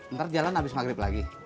ntar jalan habis maghrib lagi